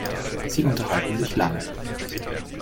Sie unterhalten sich lange.